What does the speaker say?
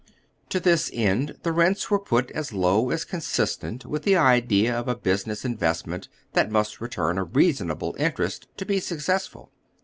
To this end the rents were put as low as consistent with the idea of a business investment that must return a reasonable interest to be successful.